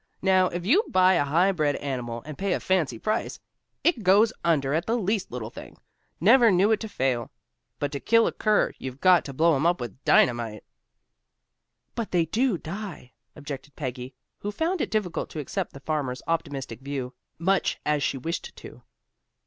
Now, if you buy a highbred animal, and pay a fancy price, it goes under at the least little thing. Never knew it to fail. But to kill a cur, you've got to blow him up with dynamite." "But they do die," objected Peggy, who found it difficult to accept the farmer's optimistic view, much as she wished to.